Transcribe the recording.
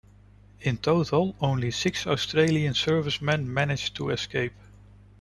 In total, only six Australian servicemen managed to escape.